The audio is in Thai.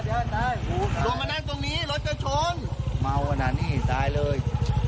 เราลงมาทางนี้ตายเลย